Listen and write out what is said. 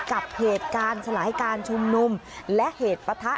กับเหตุการณ์สลายการชุมนุมและเหตุปะทะ